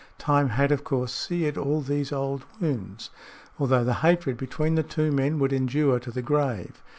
Time had, of course, seared all these old wounds, although the hatred between the two men would endure to the grave.